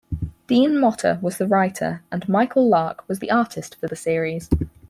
Dean Motter was the writer and Michael Lark was the artist for the series.